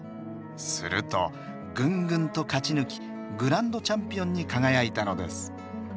するとぐんぐんと勝ち抜きグランドチャンピオンに輝いたのです。